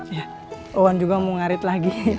ya wawan juga mau ngarit lagi